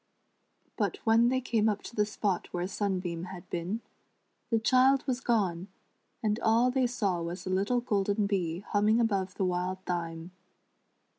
But when they came up to the spot where Sunbeam had been, the child was gone, and all they saw was a little golden bee humming above the wild thyme.